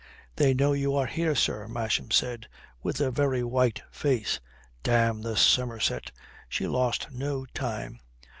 "They know you are here, sir," Masham said, with a very white face. "Damn the Somerset! She lost no time.